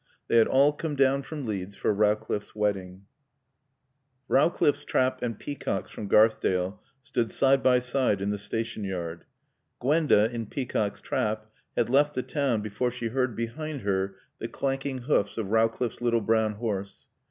They had all come down from Leeds for Rowcliffe's wedding. Rowcliffe's trap and Peacock's from Garthdale stood side by side in the station yard. Gwenda in Peacock's trap had left the town before she heard behind her the clanking hoofs of Rowcliffe's little brown horse.